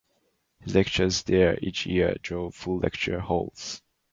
His lectures there each year draw full lecture halls.